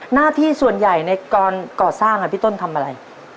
หน้าที่ส่วนใหญ่ในการก่อสร้างพี่ต้นทำอะไร